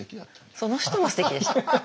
その人もすてきでした。